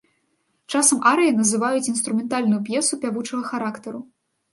Часам арыяй называюць інструментальную п'есу пявучага характару.